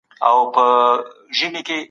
خپل کالي تل په پاکه صابون سره ومینځئ.